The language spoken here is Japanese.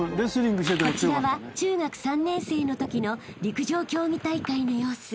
［こちらは中学３年生のときの陸上競技大会の様子］